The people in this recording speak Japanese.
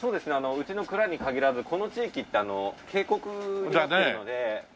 うちの蔵に限らずこの地域って渓谷になってるので傾斜が多いので。